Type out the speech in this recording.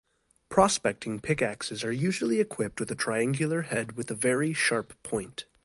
Prospecting pickaxes are usually equipped with a triangular head, with a very sharp point.